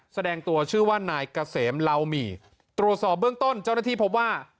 แสดงตัวชื่อว่านายเกษมเหลาหมี่ตรวจสอบเบื้องต้นเจ้าหน้าที่พบว่า